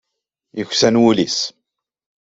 Yeksan wul-is.